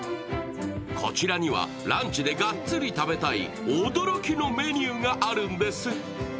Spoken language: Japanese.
こちらにはランチでがっつり食べたい驚きのメニューがあるんです。